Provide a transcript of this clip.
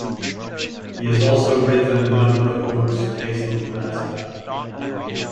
He has also written a number of books based on Glasgow.